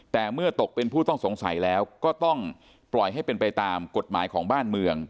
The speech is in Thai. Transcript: แต่เมื่อตกเป็นผู้ต้องสงสัยแล้วก็ต้องปล่อยให้เป็นไปตามกฎหมายของบ้านเมือง